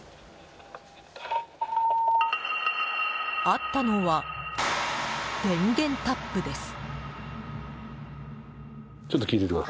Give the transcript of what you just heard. あったのは、電源タップです。